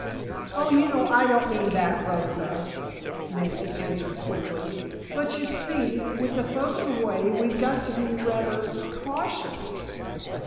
"Oh, you know I don't mean that, Rosa," Nancy answered quickly. "But, you see, with the folks away we've got to be rather cautious."